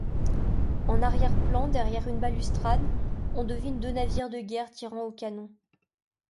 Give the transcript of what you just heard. En arrière-plan, derrière une balustrade, on devine deux navires de guerre tirant au canon.